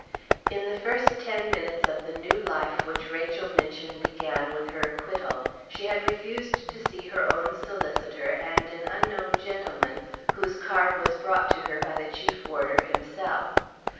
In the first ten minutes of the new life which Rachel Minchin began with her acquittal, she had refused to see her own solicitor, and an unknown gentleman whose card was brought to her by the Chief Warder himself.